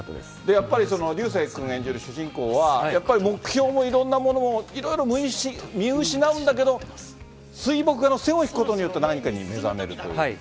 やっぱり流星君演じる主人公は、やっぱり目標もいろんなもの、いろいろ見失うんだけど、水墨画の線を引くことによって、何かに目覚めるという。